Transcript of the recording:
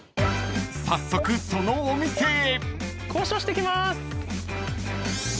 ［早速そのお店へ］